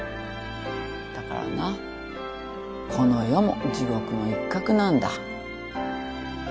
だからなこの世も地獄の一角なんだ。